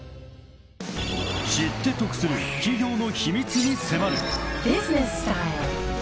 ［知って得する企業の秘密に迫る］